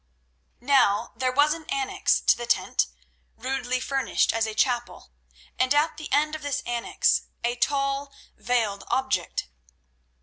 Now there was an annexe to the tent, rudely furnished as a chapel, and at the end of this annexe a tall, veiled object.